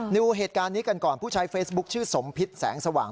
ดูเหตุการณ์นี้กันก่อนผู้ใช้เฟซบุ๊คชื่อสมพิษแสงสว่าง